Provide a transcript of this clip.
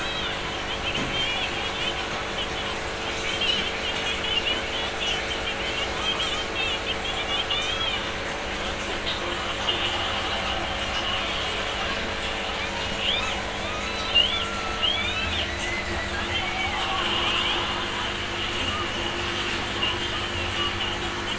私が寝られないかもって言ったら、まりあが一緒に寝てあげようかって言って、自分が怖いからって、言ってきたじゃないか！なんてほほえましいエピソーきゃー！